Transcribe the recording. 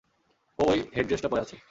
ও ঐ হেডড্রেসটা পরে আছে।